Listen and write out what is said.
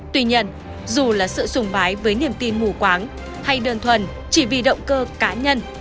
tuy nhiên dù là sự sùng bái với niềm tin mù quáng hay đơn thuần chỉ vì động cơ cá nhân